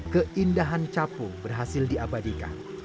keindahan capung berhasil diabadikan